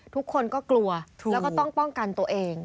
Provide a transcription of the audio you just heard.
ทุกคนก็กลัวแล้วก็ต้องป้องกันตัวเอง